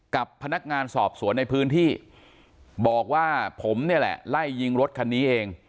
กับพนักงานสอบสวนในพื้นที่บอกว่าผมเนี่ยแหละไล่ยิงรถคันนี้เอง